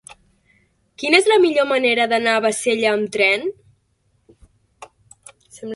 Quina és la millor manera d'anar a Bassella amb tren?